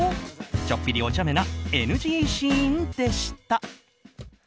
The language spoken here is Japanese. ちょっぴりおちゃめなＮＧシーンでした。